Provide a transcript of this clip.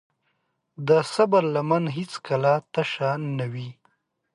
د صبر لمن هیڅکله تشه نه وي.